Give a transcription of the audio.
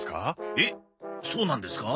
えっそうなんですか？